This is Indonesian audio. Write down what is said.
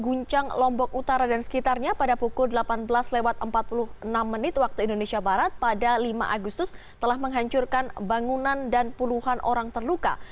guncang lombok utara dan sekitarnya pada pukul delapan belas empat puluh enam menit waktu indonesia barat pada lima agustus telah menghancurkan bangunan dan puluhan orang terluka